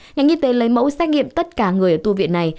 nhà nghi tế lấy mẫu xét nghiệm tất cả người ở tu viện này